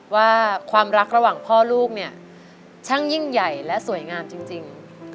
ว่าความรักระหว่างพ่อลูกเนี่ยช่างยิ่งใหญ่และสวยงามจริง